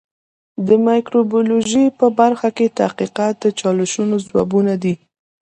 د مایکروبیولوژي په برخه کې تحقیقات د چالشونو ځوابونه دي.